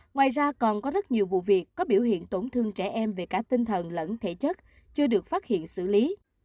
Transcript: ngoài ra còn có rất nhiều vụ việc có biểu hiện tổn thương trẻ em về cả tinh thần lẫn thể chất chưa được phát hiện xử lý